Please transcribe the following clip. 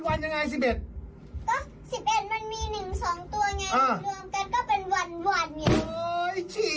เฮ้ยวันยังไง๑๑